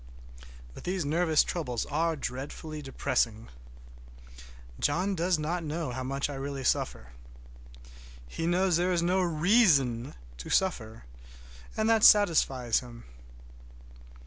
But these nervous troubles are dreadfully depressing. John does not know how much I really suffer. He knows there is no reason to suffer, and that satisfies him.